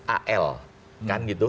al kan itu